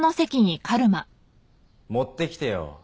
持ってきてよ